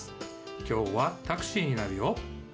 きょうはタクシーになるよ。